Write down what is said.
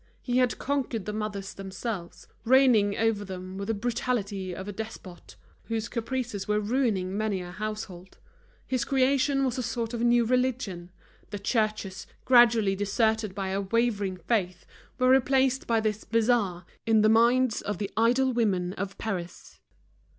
He had conquered the mothers themselves, reigning over them with the brutality of a despot, whose caprices were ruining many a household. His creation was a sort of new religion; the churches, gradually deserted by a wavering faith, were replaced by this bazaar, in the minds of the idle women of Paris.